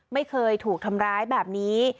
ไม่เคยถูกทำร้ายแบบนี้